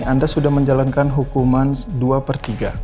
anda sudah menjalankan hukuman dua per tiga